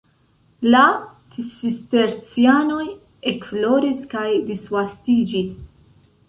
La Cistercianoj ekfloris kaj disvastiĝis.